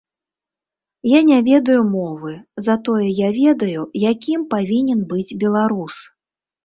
Я не ведаю мовы, затое я ведаю, якім павінен быць беларус.